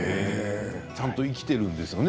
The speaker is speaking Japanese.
ちゃんと生きているんですよね